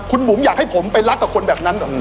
คุณบุ๋มอยากให้ผมไปรักกับคนแบบนั้นเหรอ